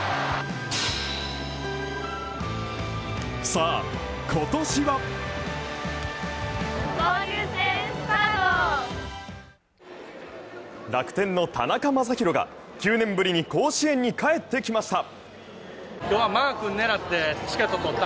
さあ、今年は楽天の田中将大が９年ぶりに甲子園に帰ってきました。